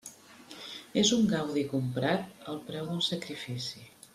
És un gaudi comprat al preu d'un sacrifici.